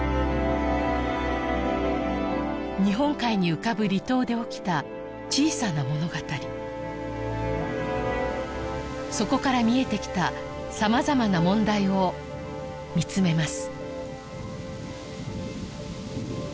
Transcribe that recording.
日本海に浮かぶ離島で起きた小さな物語そこから見えてきたさまざまな問題を見つめます